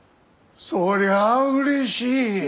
そりゃうれしい。